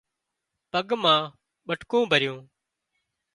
پڳ مان ٻٽڪُون ڀريون